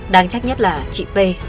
đáng chắc nhất là chị p